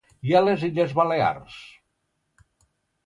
I a les Illes Balears?